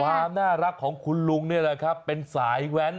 ความน่ารักของคุณลุงนี่แหละครับเป็นสายแว้น